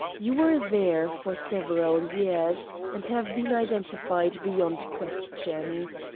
You were there for several years, and have been identified beyond question.